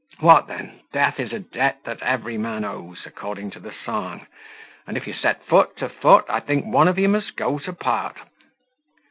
What then? Death is a debt that every man owes, according to the song; and if you set foot to foot, I think one of you must go to pot."